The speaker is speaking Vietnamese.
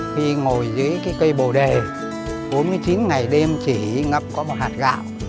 khi ngồi dưới cái cây bồ đề bốn mươi chín ngày đêm chỉ ngấp có một hạt gạo